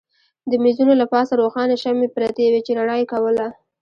د مېزونو له پاسه روښانه شمعې پرتې وې چې رڼا یې کوله.